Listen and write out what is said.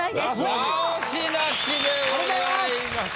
直しなしでございます。